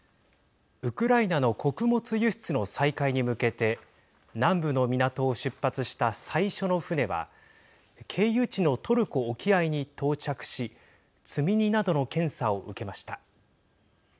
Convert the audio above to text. ウクライナの穀物輸出の再開に向けて南部の港を出発した最初の船は経由地のトルコ沖合に到着し積み荷などの検査を受けました。